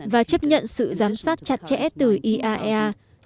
và chấp nhận sự giám sát chặt chẽ từ iaea